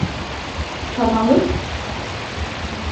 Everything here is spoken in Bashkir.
«Таналыҡ»?